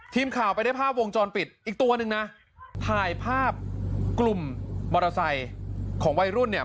ทีมข่าวไปได้ภาพวงจรปิดอีกตัวหนึ่งนะถ่ายภาพกลุ่มมอเตอร์ไซค์ของวัยรุ่นเนี่ย